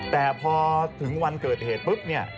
อ๋อไปกองวงจรปิด